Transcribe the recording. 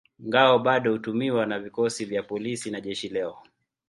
Ngao bado hutumiwa na vikosi vya polisi na jeshi leo.